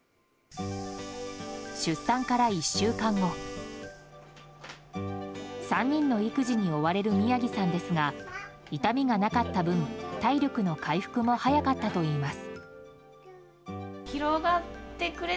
出産から１週間後３人の育児に追われる宮城さんですが痛みがなかった分、体力の回復も早かったといいます。